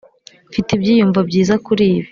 mfite ibyiyumvo byiza kuri ibi.